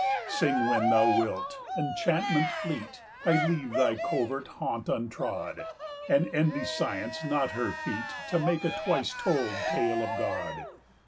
Sing when thou wilt, enchantment fleet, I leave thy covert haunt untrod, And envy Science not her feat 35 To make a twice told tale of God.